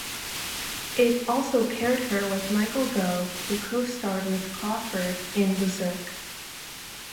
It also paired her with Michael Gough, who costarred with Crawford in Berserk!